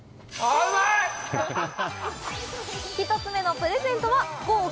１つ目のプレゼントは豪華！